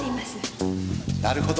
なるほど。